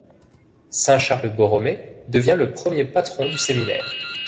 Saint-Charles-Borromée devient le premier Patron du Séminaire.